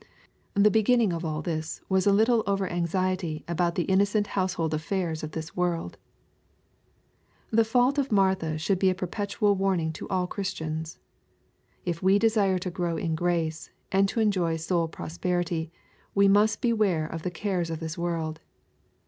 The beginning of all this was a little over anxiety about the innocent house hold affairs of this world t The fault of Martha should be a perpetual warning to all Christians. If we desire to grow in grace, and to enjoy soul prosperity, we must beware of the cares of this world.